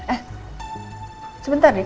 eh sebentar deh